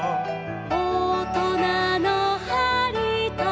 「おとなのはりと」